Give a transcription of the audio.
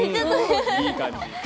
いい感じ！